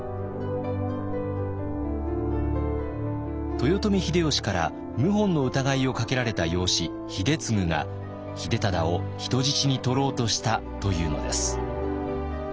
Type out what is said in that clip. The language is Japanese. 豊臣秀吉から謀反の疑いをかけられた養子秀次が秀忠を人質に取ろうとしたというのです。